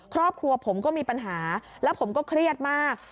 ครอบครัวผมก็มีปัญหาแล้วผมก็เครียดมาก